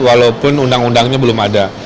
walaupun undang undangnya belum ada